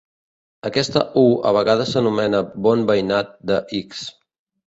Aquesta "U" a vegades s'anomena "bon veïnat" de "x".